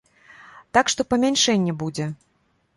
Так што, памяншэнне будзе.